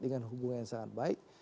dengan hubungan yang sangat baik